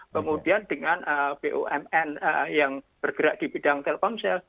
kemudian dengan bumn yang bergerak di bidang telkomsel